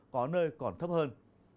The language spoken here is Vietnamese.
có nơi còn thấp hơn